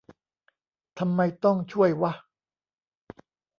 ทำไมต้องช่วยวะ